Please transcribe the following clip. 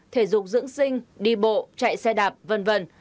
thể dục dưỡng sinh đi bộ chạy xe đạp v v